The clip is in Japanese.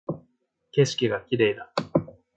景色が綺麗だ